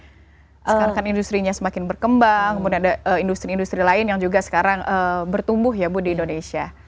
sekarang kan industri nya semakin berkembang kemudian ada industri industri lain yang juga sekarang bertumbuh ya bu di indonesia